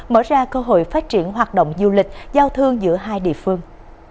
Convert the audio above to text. mở ra cơ hội phát triển hoạt động du lịch giao thương giữa hai địa phương